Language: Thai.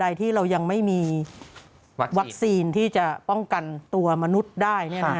ที่เรายังไม่มีวัคซีนที่จะป้องกันตัวมนุษย์ได้